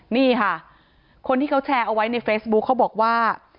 นี่ค่ะคนที่เขาแชร์เอาไว้ในเฟซบุ๊คเขาบอกว่า